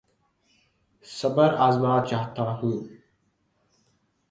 صبر آزما چاہتا ہوں